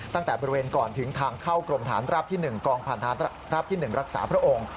ตั้งแต่บริเวณก่อนถึงทางเข้ากรมฐานราบที่๑กองผ่านราบที่๑รักษาพระองค์